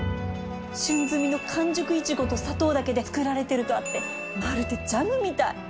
旬摘の完熟イチゴと砂糖だけで作られてるとあってまるでジャムみたい！